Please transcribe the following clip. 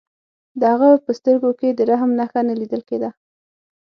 د هغه په سترګو کې د رحم نښه نه لیدل کېده